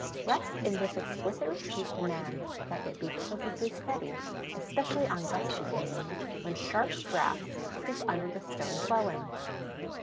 Rest in this exquisite retreat demands that it be perfectly steady, especially on gusty days, when sharp draughts creep under the stone dwelling.